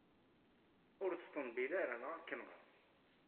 Ur ttembiwil ara neɣ ad k-nɣeɣ.